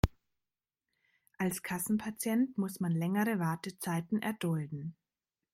Als Kassenpatient muss man längere Wartezeiten erdulden.